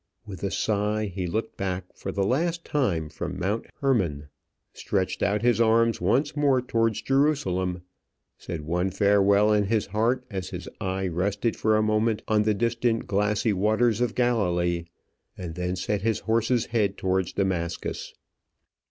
With a sigh, he looked back for the last time from Mount Hermon, stretched out his arms once more towards Jerusalem, said one farewell in his heart as his eye rested for a moment on the distant glassy waters of Galilee, and then set his horse's head towards Damascus.